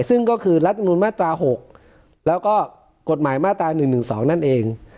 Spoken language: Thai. ซึ่งก็คือรัฐมนุนมาตรา๖แล้วก็กฎหมายมาตรา๑๑๒นั่นเอง